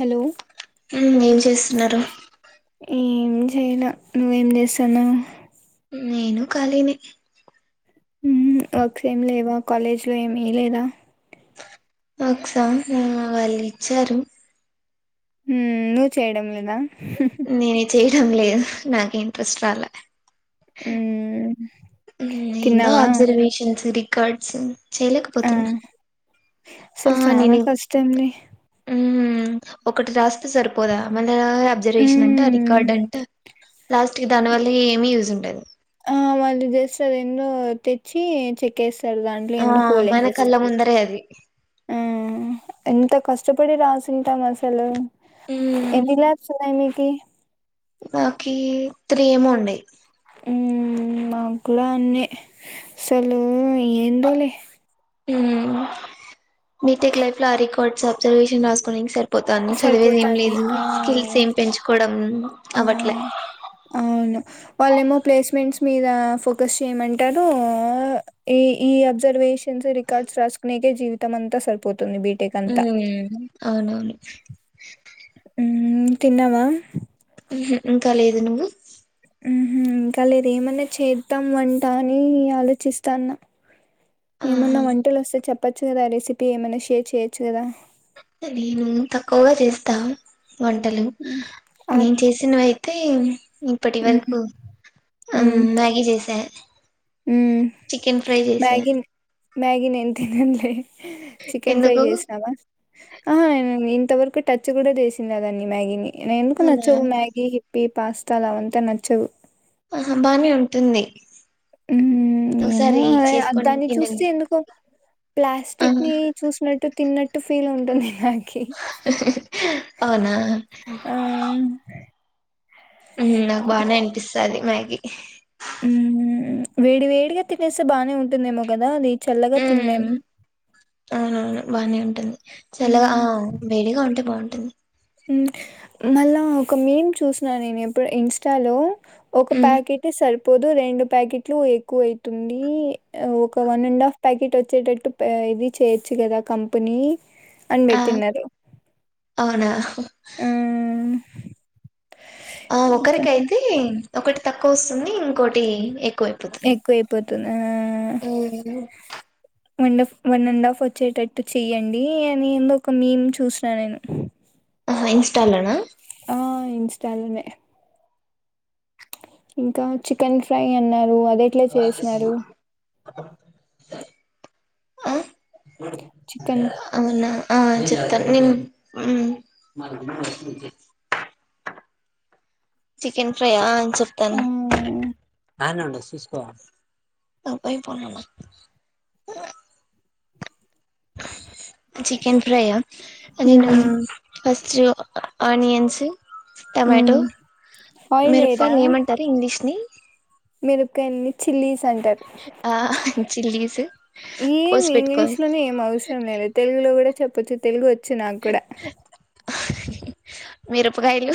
Hello ఏం చేస్తున్నారు ఏం చేయలే నువ్వేం చేసాన్నావు నేను కఖాలినే వర్క్స్ ఏమి లేవా కాలేజ్ లో ఏమి లేదా వర్క్స్ ఆ వాళ్ళు ఇచ్చారు ఉ నువ్వు చేయడం లేదా నను చేయడం లేదు నాకు ఇంట్రెస్ట్ రాల ఆ ఎందో ఆబ్సర్వేషన్స్ రి కర్డ్స్ ఆ చేయలేకపోతున్నా అసలు ఆ చాలా నేను కష్టం లే ఒకటి రాస్తే సరిపోదా మ అబ్జర్వేషన్ అంట మ్మ్ రికార్డ్ అంట లాస్ట్ క దాని వల్ల అ ఏమి ఉస్ ఉంటది ఆ మళ్ళి చేస్తాది ఎన్నో తెచ్చి చెకేస్ అసల్ దాంట్లో ఆ ఎన్నో మన హోలేసేస్త కళ్ళ ముందరే అది ఆ ఎంత కష్ ఇష్టపడి రాసింటాం అసలు ఎన్ని లాబ్స్ ఓయినయ్ కే మాకీ త్రేముండయ్ ఉ మ కూడ అన్నే సలు ఏందోలే మీ టెక్ లైఫ్ లో ఆ రికార్డ్స్ అబ్జర్వేషన్ రాసుకొనికే సర్ పోతాన్ని చదివేది ఏం సరిపోతాంది లేదు ఆ స్కిల్స్ ఏం పెంచుకోవడం అవట్లే వాళ్ళ ఏమో ప్లేస్మెంట్ మీద ఫోక చేయమంటరు ఈ ఆబ్సెర్వెష న్స రికార్డ్స్ రాసుకునేకె జీవిత తమంత సరిపోత్ ఊ అవునవును అ ఉ ఊ తిన్నావా ఉహ్ ఇంకా లేదు నువ్వు ఊహు ఇంకా లేద ఏమన్నా చేద్దాం వంటా అని ఆలోచిస్తన్న ఏమన్నా ఆహా వంటలు వస్తె చెప్ చెప్పచ్చు కదా ఆ రెసిపీ ఏమనా షేర్ చేయచ్చు కదా నేను తక్కువగా చేస్తా వంటలు మ్మ్. ఆ నేను చేసినవయితే తె ఇప్పటి మ్మ్ వరకు ఆ మ్యాగీ చేసా ఊ చికెన్ ఫ్రై చేసా మ్యాగీ మ్యాగీ నేను తినంలే చికెన్ ఫ్రై ఎందుకు చేసినావా ఆహా నెన్ తిం ఇంతవరకు టచ్ కూడా చేసింది అదానీ మ్యాగీని ఇ న ఎందుకు అవునా నచ్చవు మ్యాగీ హిప్పి పాస్తాలవంత నచ్చవు ఆహ బానే ఉంటుంది ఊ ఏమో ఒకసారి ఏ చేసుకొని దాన్ని చూస్తే తినండి ఎందుకు ప్లాస్టిక్ ఆహా ని చూసినట్టు తిన్నట్టు ఫీల్ ఉంటుంది ఉంది నాక్ అవునా ఆ! టది మ్యాగి ఊ వేడి వేడిగా తినేస్తే బాగానే ఉంటుందేమో కదా అది చల్లగా ఉం తినలేం. అవునవును బానే ఉంటుంది చల్లగా హ్మ్. ఆ వేడిగా ఉంటే బాగుం టుంది ఉమ్ మళ్ళా ఒక మేమ్ చూసినను నేను ఎప్పుడు ఇన్స్టాలో ఒక ఉమ్ ప్యాకెట్ సర్ పోదు రెండు ప్యాకెట్లు ఎక్కువ అయితుంది ఒక వన్ అండ్ హాఫ్ ప్యాకెట్ వచ్చేటట్టు ఇది చేయొచ్చు కదా కంపెనీ అని ఆ బెట్టిన్నారు అవునా ఆ ఆ ఇంకా ఒకరికి అయితే ఒకటి తక్కువ వస్తుంది ఇంకోటి ఎ ఎక్కువయిపోతుంది ఆ ఉమ్ వన్డఫ్ వన్ అండ్ హాఫ్ వచ్చేటట్టు చెయ్యండి అని ఏందో ఒక మీమ్ చూసిన నేను ఇన్స్టాలనా ఆ ఇన్స్టాలోనే ఇంకా చికెన్ ఫ్రై అన్నారు అద్ ఎట్లా చేసినారు ఆ చికెన్ అవునా ఆ చికెన్ నీన్ ఉమ్ చికెన్ ఫ్రై అ ఆ! చెప్తాను అపై పొంగన్న చికెన్ ఫ్రై అ నేను హ్మ్. ఫస్ జో ఆనియన్స్ టమాటో హ్మ్ ఆయిల్ మిరపలు ఏమంటారు ఇంగ్లీష్ ని మేరకయల్ని చిల్లీస్ అంటారు ఆ చిల్లీస్ ఏం కోసి ఇంగ్లీష్ పెట్టుకోవాలి లోనే ఏం అవసరం లేదు తెలుగులో కూడా చె కొంచం తెలుగు వ వచ్చు నాకు కూడా ఆ మీరుపుగాయాలు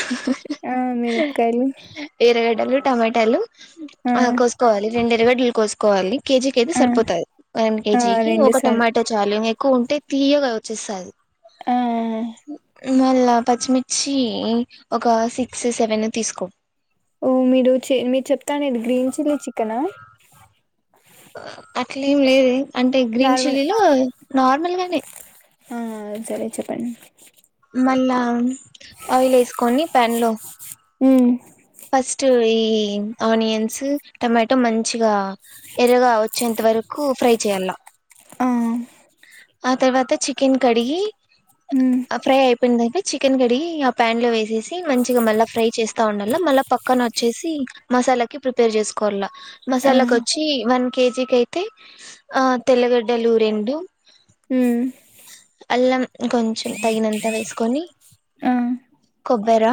ఆ మనుపకాయాలు ఎరగడ్డలు టమాటాలు ఆ కోసుకోవాలి రెండే ఎల్లిగడ్లు కోసుకోవాలి కేజీకి అయితే ఆ సరిపోతది వన్ ఆ కేజీకి రెండు ఒక సార్లు టొమాటా చాలు ఇంగా ఎ కొంటే తీయగా వచ్చేస్తాది ఆ మ్మ్ మళ్ళ పచ్చిమి ర్చి ఒక సిక్స్, సెవెనో తీసుకో ఓ మీరు మీరు చెప్ తనేది గ్రీన్ చిల్లి చికెనా అట్లేం లేదు అంటే గ్రీన్ నార్మల్ చిల్లీలో నార్మల్ గానే సరే చెప్పండి మళ్ళా ఆయిల్ వేసుకొని ప్యాన్ లో మ్మ్ ఫస్ట్ ఈ ఆనియన్స్ టమాటో మంచిగా ఎర్రగా వచ్చేంత వరకు ఫ్రై చేయాల ఆ ఆ తర్వాత చికెన్ కడిగి హ్మ్ ఆ ఫ్రై అయిపోయిందండి చికెన్ కడిగి ఆ పాన్ లో వేసెస్ మంచిగా మళ్ళీ ఫ్రై చేస్తా ఉండాల మళ్ళా పక్కన వచ్చేసి మసాలాకిి ప్రిపేర్ చేసుకోల్ల ఆ మసాలాకొచ్చి వన్ కేజీ కి అయితే ఆ తెల్లగడ్డలు రెండు మ్మ్ అల్లం కొంచెం తగినంత వేసుకొని ఆ కొబ్బెరా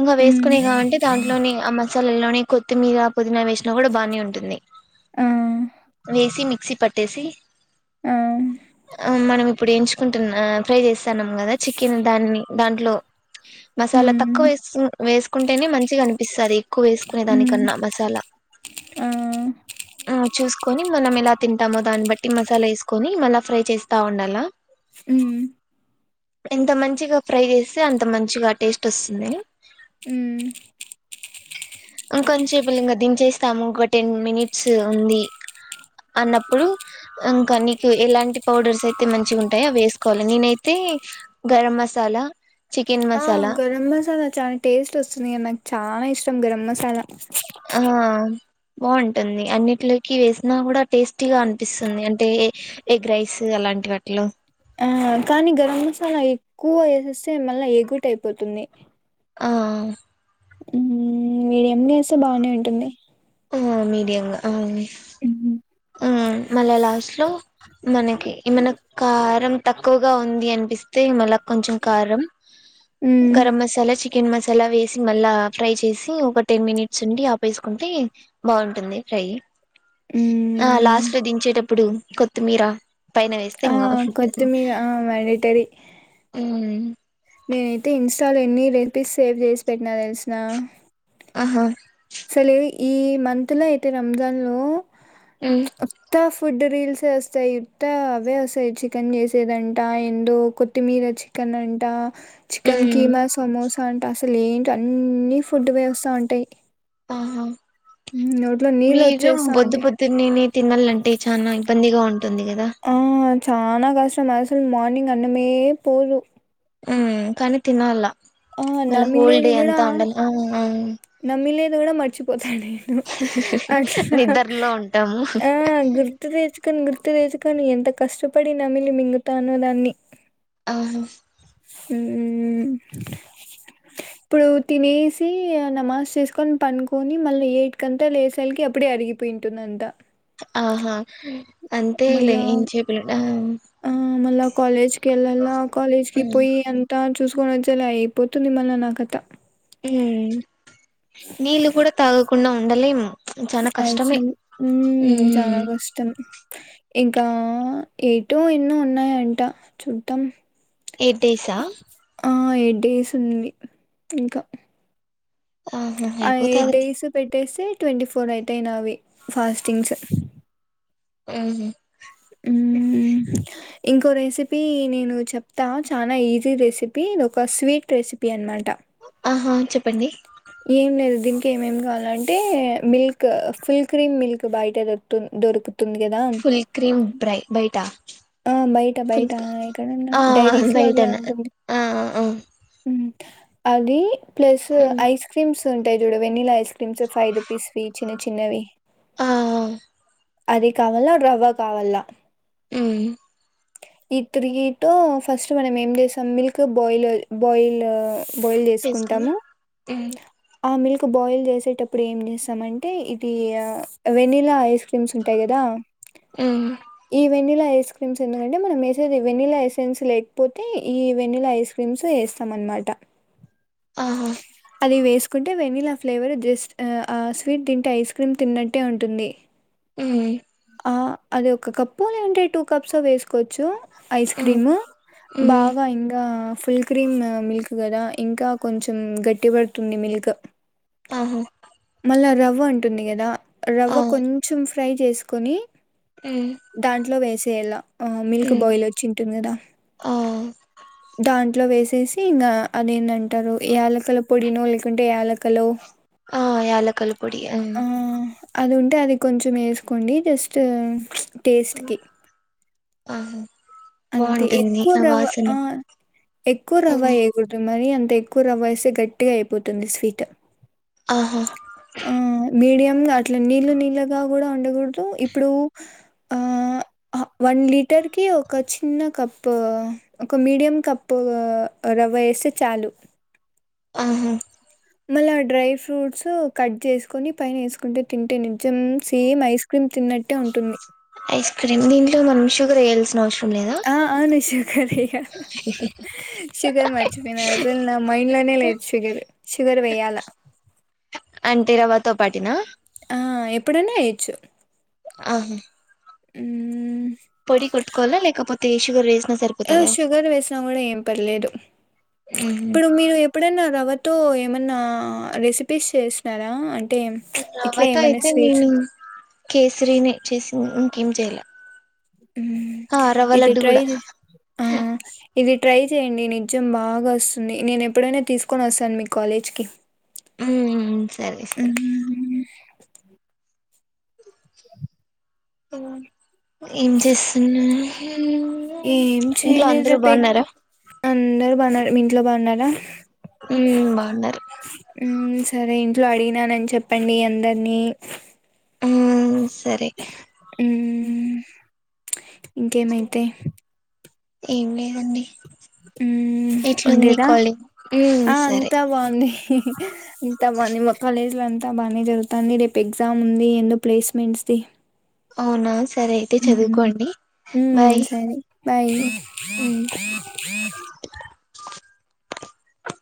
ఇంకా హ్మ్ వేసుకునే కావంటే దాంట్లోని ఆమ్ మ దాన్లలోనే కొత్తిమీరా పుదీనా వేసినా కూడా బానే ఉంటుంది. ఆ వేసి మిక్ క్సి పట్టేసి ఆ ఆ మనం ఇప్పుడు ఎంచుకుంటున్నా ఫ్రై వేస్తాన్నాం కదా చికెన్ దాన్ని దాంట్లో మసాలా హ్మ్ తక్కువ వేసి వేసుకుంటేనే మంచిగా అనిపిస్తది ఎక్కువ వేసుకునే హ్మ్ దానికన్నా మసాలా ఆ ఆ చూసుకొని మనమెలా తింటామో దాని బట్టి మసాలా వేస్ కొని మళ్ళ ఫ్రై చేస్తా ఉండాల మ్మ్ ఎంత మంచిగా ఫ్రై చేస్తే అంత మంచిగా టేస్ట్ వస్తుంది ఉమ్ ఇంకొంచేపులు ఇంకా దించేస్తాము ఒక టెన్ మినిట్స్ ఉంది అన్నప్పుడు ఇంకొన్ని ఎలాంటి పౌడర్స్ అయితే మంచిగా ఉంటాయో అవి వేసుకోవాలి నేనైతే గరం మసాలా చికెన్ ఆ మసాలా గరం మసాలా చానా టేస్ట్ వస్తుందిగా నాకు చానా ఇష్టం ష్టం గరం మసాల ఆహా బాగుంటుంది అన్నింటిలోకి వేసినా కూడా టేస్టీగా అనిపిస్తుంది అంటే ఎగ్ రైస్ అలాంటి వాటిల్లో ఆ కానీ గరం మసాలా ఎక్కువ ఏసేస్తే మళ్ళా ఎగుటయిపోతుంది ఆ మీడియం గా వేస్తే బానే ఉంటుంది ఆ మీడియంగా ఏ ఉమ్ మల్లా లాస్ట్ లో మనకి ఏమన్న కారం తక్కువగా ఉంది అనిపిస్తే మల్లా కొంచం కారం ఉమ్ గరం మసాలా చిక్ చికెన్ మసాలా వేసి మళ్ళా ఫ్రై చేసి ఒక టెన్ మినిట్స్ నుండి ఆపేసుకుంటే బాగుంటుంది ఫ్రై ఆ ఉమ్ లాస్ట్ లో దించేటప్పు ఇప్పుడు కొత్తిమీర పైన వేస్తే ఆ ఇంకా బాగుంటుంది కొత్తిమీరా ఆ మ్యాండటరీ ఉమ్ నేనైతే ఇన్స్ ష్ట లో ఎన్ని రెసిపీస్ సేవ్ చేసి పెట్టినా తెలుసునా ఆహా ఆసలు ఇవి ఈ మంత్ లో అయితే రంజాన్ లో ఉ ఉత్త ఫుడ్ రీల్స్ వస్తాయి ఇట్ట అవే వస్తాయి చికెన్ చేసేదంట ఎందో కొత్తిమీర చికెన్ అంట చికెన్ ఉమ్ కీమా సమోసా అంట అస తిలేంటో అన్ని ఫుడ్ వే వస్త ఉంటాయి ఆహా నోట్లో నీళ్ళు మీరు బొద్దు వచ్చేస్తాంటయి పొద్దున్నేనే తినాలంటే చానా ఇబ్బందిగా ఉం ఉంటుంది గదా ఆ చానా కష్టం అసలు మార్నింగ్ అన్నమే పోదు హ కనీ తినాల్ల ఆ మల్ల హోల్ నమిలేది డే కూడా అంతా ఉండాలి ఆ ఆ నేను గూడ మర్చిపోత త నేను అట్లా నిద్రలో ఉంటాము ఆ గుర్తు తెచ్చుకుని గుర్ గుర్తు తెచుకోని ఎంత కష్టపడి నమిలి మింగుతానో దాన్ని అవును ఉ ఇప్పుడు తినేసి నమాజ్ చేసుకొని పనుకొని మళ్ళ ఏట్కంతా లేసలకి అప్పుడే అరిగిపోయింటుందంత ఆహా అంతే లే మళ్ళా ఏం చెపలట ఆ మళ్ళా కాలేజ్ కెళ్ళాళా కాలేజ్ కి ఉమ్ పొయ్యి అంతా చూసుకోని వచ్చేలా అయిపోతుంది మళ్ళ నా కథ ఉ నీళ్లు కూడా తాగకుండా ఉండలేమ అసలు చనాా ఉమ్ కష్టం ఇంకా ఎటో ఎన్నో ఉన్నాయంట చూద్దాం ఎయిట్ డేసా ఆ ఎయిట్ డేస్ ఉంది ఇంకా ఆహా ఆ ఎయిట్ అయిపోతాదిలే డేస్ పెట్ ట్టేసే ట్వంటీ ఫోర్ అయితేయి నావి ఫాస్టింగ్స్ ఆహ ఉ ఇంకో రెసిపీ నేను చెప్తా చాలా ఈజీ రెసిపీ ఇది ఒక స్వీట్ రెసిపీ అనమాట ఆహా చెప్పండి ఇంకేమేమి కావాలంటే మిల్క్ ఫుల్ క్రీమ్ మిల్క్ బయటే దొ దొరుకుతుంది కదా ఫుల్ క్రీమ్ బ్రై బయటా ఆ బయట బయట ఎక్కడన్నా ఆ డైవీస్ లోలాట్లా బయటన ఉంటుంది ఆ ఆ అది ప్లస్ ఐస్ క్రీమ్స్ ఉంటయ్ జూడవెెనీలాయిస్ క్రీమ్స్ ఫైవ్ రూపీస్ వీచ్ చిన్న చిన్నవి ఆహ్ అద కావల్ల డ్రవ్వ కావల్ల ఉమ్ ఈ తిరిగిటో ఫస్ట్ మనం ఏం చేస్సాం మిల్క్ బాయిలు బాయిల్ బొయిల్ చేసుకొని చేసుకుంటాము ఆ మిల్క్ బాయిల్ చేసేటప్పుడు ఏం చేస్సామంటే ఇది ఆ వెన్నీల ఐస్ క్రీమ్స్ ఉంటాయి గదా ఈ వెన్నీల ఐస్ క్రీమ్స్ ఎందుకంటే మనం వేసేది వెనిలా ఎసెన్స్ లేకపోతే ఈ వెన్నీలా ఐస్ క్రీమ్స్ వేస్తాం అనమాట. ఆహా అది వేస్ కుంటే వెనీలా ఫ్లేవర్ జస్ట్ ఆఆ స్వీట్ తింటే ఐస్ క్రీమ్ తిన్నట్టే ఉంటుంది హ్మ్ ఆ అది ఒక కప్పో లేదంటే టూ కప్సో వేస్ 'కోచ్చు ఐస్ క్రీమ్ బాగా ఇంగా ఫుల్ క్రీమ్ మిల్క్ కదా ఇంకా కొంచెం గట్టిపడుతుంది మిల్క్ ఆహా అలా రవ్వా ఉంటుంది గదా రవ్వ కొంచెం ఫ్రై చేస్ కొనీ దాంట్లో వేస్ సేల ఆ మిల్క్ బాయిల్ వచ్చి ఉంటుంది కదా. ఆ దాంట్లో వేస్ తీసి ఇంగా అదేందంటారు యాలకుల పొడినో లేకుంటే యాలకలు ఆ యాలకల పొడి ఆ అది ఉంటే అది కొంచెం ఏస్ కోండీ జస్ట్ ఆ ప్చ్ ఆహా అంతే బాగుంటుంది ఎక్కువ ఆ రవ్వ వాసన ఆ ఎక్కువ రవ్వ ఎయ్యకూడదు మ కానీ అంత ఎక్కువ రవ్వ ఏస్తే గట్టిగా అయిపోతుంది స్వీట. ఆహా ఆ మీడియం ఊ అట్లా నీళ్ళు నీళ్లుగా గూడా ఉండకూడదూ. ఇప్పుడూ ఆ వన్ లీటర్ కీ ఒక్ ఒక చిన్న కప్పా ఒక మీడియం కప్పు ఆ రవ్వ ఏస్తే చాలు. ఆహా మళ్ళా డ్రై ఫ్రూట్సు కట్ చేసుకొని పైన ఏసుకుంటే తింటే నింజం సేమ్ ఐస్ క్రీమ్ తిన్నట్టే ఉంటుంది. ఐస్ క్రీమ్ దీంట్లో మనం షుగర్ ఏయల్సి ఆ అవును షుగర్ ఎయ్యాలా. ఆ షుగర్ మర్చిపోయినా అసల్ నా మైండ్ లోనే షుగర్. షుగర్ వేయాల అంటే రవ్వతో పాటేనా. ఆ ఎప్పుడన్నా ఏయొచ్చు ఆహా ఊ పొడి కొట్టు కోవాల్నా లేకపోత్ తే షుగర్ వేస్ ఆ షుగర్ వేసినా గూడా ఏం పర్లేదు. ప్చ్ ఇప్పుడు మీరు ఎప్పుడన్నా రవ్వ తో ఏమన్నా రెసిపీస్ చేసినారా అంట్ రవ్వతో అయితే నేను కేసరినే చేసి ఇంకేం చేయలే ఊ ఆ రవ్వ ఇది లడ్డు ట్రై కూడా చెయ్. ఆ ఇది ట్రై చేయండి నిజం బాగా వస్తుంది. నేను ఎప్పుడైనా తీసుకొని వస్తాను మీ కాలేజ్కి. ఊ సరే సరే మ్మ్. [unintelligible] ఏం చేస్తున్నా ఏం చేయలేదు ర పె బాగున్నారా అందరు బాన్నారు మీ ఇంట్లో బాగున్నారా ఉ బాగున్నారు మ్మ్, సరే ఇంట్లో అడిగినానని చెప్పండి అందరినీ ఆ సరే మ్మ్, ఇంకేమైతే ఏం లేదండి ఉ ఎట్లుంది ఉండేదా కాలేజ్ మ్మ్ ఆ సరే అంతా బాగుంది స ఇంతమ్మా నిమ కాలేజ్ల అంత అంత బాగానే జరుగుతుంది రేపు ఎగ్జామ్ ఉంది ఎందో ప్లేస్మెంట్స్ ది అవునా సరే అయితే చదువుకోండి బాయ్ సరే బాయ్ మ్మ్ మ్మ్